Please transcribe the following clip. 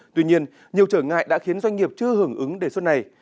tuy nhiên nhiều trở ngại đã khiến doanh nghiệp chưa hưởng ứng đề xuất này